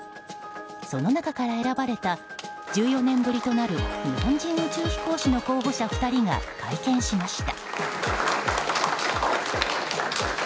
その中から選ばれた１４年ぶりとなる日本人宇宙飛行士の候補者２人が会見しました。